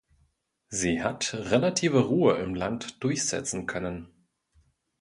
Sie hat relative Ruhe im Land durchsetzen können.